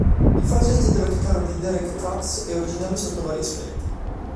Il fraseggio alla chitarra di Derek Trucks è originale sotto vari aspetti.